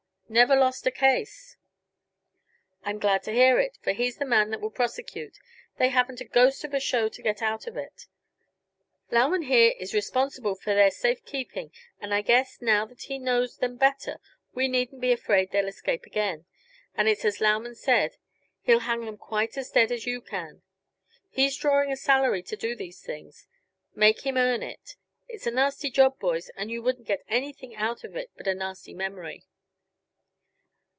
Never lost a case." "I'm glad to hear it, for he's the man that will prosecute. They haven't a ghost of a show to get out of it. Lauman here is responsible for their safe keeping and I guess, now that he knows them better, we needn't be afraid they'll escape again. And it's as Lauman said; he'll hang them quite as dead as you can. He's drawing a salary to do these things, make him earn it. It's a nasty job, boys, and you wouldn't get anything out of it but a nasty memory."